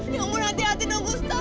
ya ampun hati hati dong gustaf